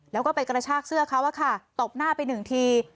แล้วก็ไปกระชากเสื้อเขาตบหน้าไปหนึ่งที